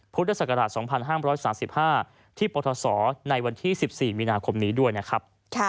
พศ๒๕๓๕ที่ปรศในวันที่๑๔มีนาคมนี้ด้วยนะครับ